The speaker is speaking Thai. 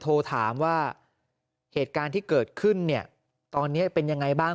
โทรถามว่าเหตุการณ์ที่เกิดขึ้นเนี่ยตอนนี้เป็นยังไงบ้าง